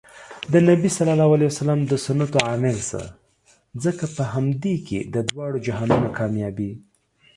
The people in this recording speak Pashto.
د نبي ص د سنتو عاملشه ځکه په همدې کې د دواړو جهانونو کامیابي